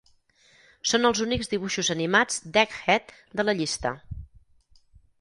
Són els únics dibuixos animats d'Egghead de la llista.